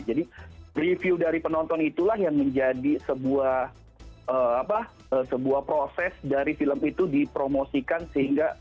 jadi review dari penonton itulah yang menjadi sebuah proses dari film itu dipromosikan sehingga